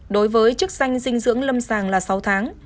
đối với chức danh dinh dưỡng lâm sàng là sáu tháng